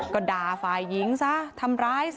ก็ดาฝ่ายอิงซ้าทำร้ายซะ